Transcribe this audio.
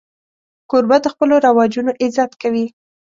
کوربه د خپلو رواجونو عزت کوي.